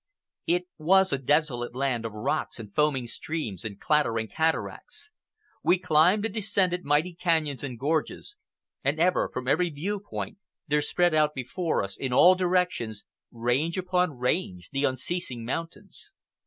It was a desolate land of rocks and foaming streams and clattering cataracts. We climbed and descended mighty canyons and gorges; and ever, from every view point, there spread out before us, in all directions, range upon range, the unceasing mountains.